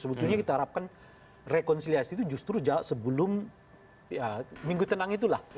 sebetulnya kita harapkan rekonsiliasi itu justru sebelum minggu tenang itulah